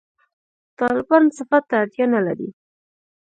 «طالبان» صفت ته اړتیا نه لري.